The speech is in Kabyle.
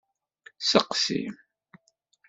Seqsi.